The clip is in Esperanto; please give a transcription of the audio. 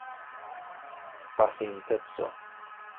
pasinteco